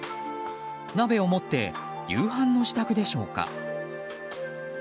鍋を持って夕飯の支度でしょうか。